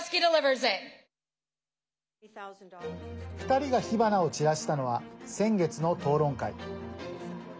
２人が火花を散らしたのは先月の討論会。